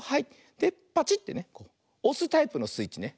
パチッてねおすタイプのスイッチね。